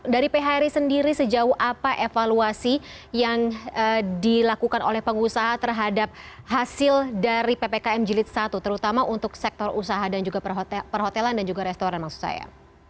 dari phri sendiri sejauh apa evaluasi yang dilakukan oleh pengusaha terhadap hasil dari ppkm jilid satu terutama untuk sektor usaha dan juga perhotelan dan juga restoran maksud saya